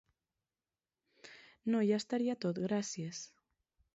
No, ja estaria tot gracies.